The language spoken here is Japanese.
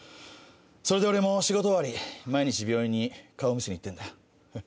それで俺も仕事終わり毎日病院に顔見せに行ってんだ。